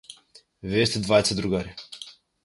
Вие сте двајца другари.